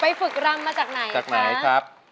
ไปฝึกรำมาจากไหนครับ